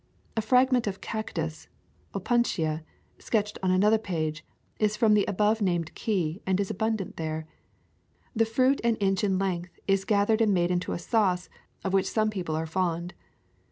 A fragment of cactus, Opuntia, sketched on another page,' is from the above named key, and is abundant there. The fruit, an inch in length, is gathered, and made into a sauce, of which some people are fond.